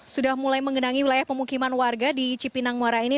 sudah mulai mengenangi wilayah pemukiman warga di cipinangmuara ini